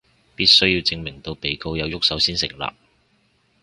必須要證明到被告有郁手先成立